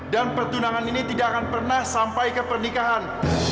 dan pertunangan ini tidak akan pernah sampai ke pernikahan